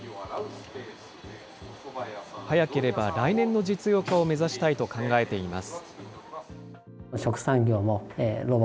早ければ来年の実用化を目指したいと考えています。